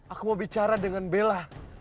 aku mau bicara dengan bella